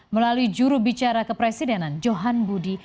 melalui juru bicara kepresidenan johan budi